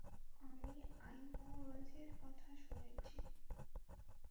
আমি আইমোরেজের কথা শুনেছি।